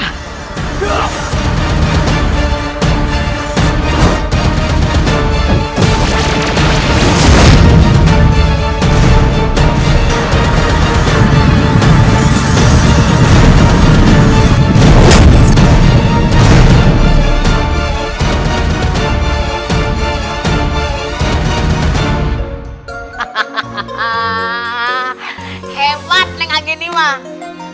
hahaha hewat neng ageni mak